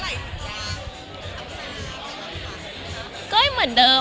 มันคิดว่าจะเป็นรายการหรือไม่มี